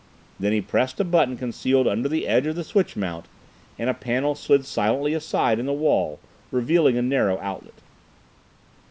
Then he pressed a button concealed under the edge of the switch mount and a panel slid silently aside in the wall, revealing a narrow outlet.